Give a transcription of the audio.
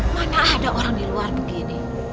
mana ada orang di luar begini